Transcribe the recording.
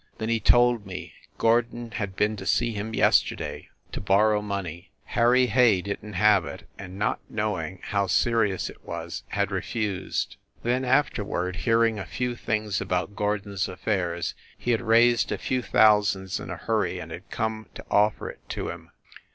... Then he told me Gordon had been to see him yesterday to borrow money. Harry Hay didn t have it, and, not knowing how serious it was, had refused. Then, afterward, hearing a few things about Gordon s affairs, he had raised a few thou sands in a hurry and had come to offer it to him